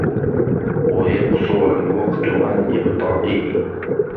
وَيَقْصُرَ الْوَقْتُ عَنْ إبْطَائِهِ